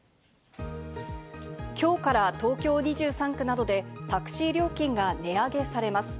今日から東京２３区などでタクシー料金が値上げされます。